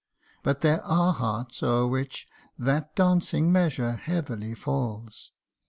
But there are hearts o'er which that dancing measure Heavily falls